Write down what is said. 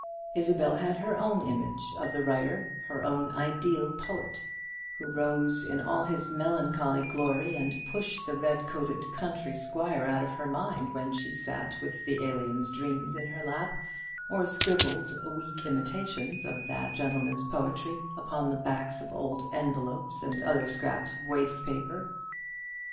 Isabel had her own image of the writer her own ideal poet, who rose in all his melancholy glory, and pushed the red coated country squire out of her mind when she sat with the "Alien's Dreams" in her lap, or scribbled weak imitations of that gentleman's poetry upon the backs of old envelopes and other scraps of waste paper.